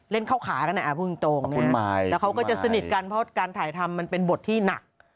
เล่นเข้าขากันนะพูดจริงเนี่ยแล้วเขาก็จะสนิทกันเพราะว่าการถ่ายทำมันเป็นบทที่หนัก